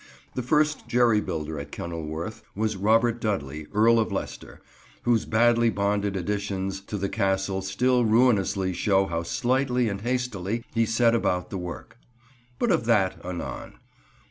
The first jerry builder at Kenilworth was Robert Dudley, Earl of Leicester, whose badly bonded additions to the Castle still ruinously show how slightly and hastily he set about the work. But of that anon.